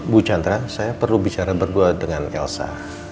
bu chandra saya perlu bicara berdua dengan elsa